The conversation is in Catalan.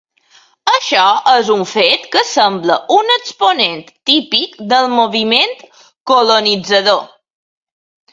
Això és un fet que sembla un exponent típic del moviment colonitzador.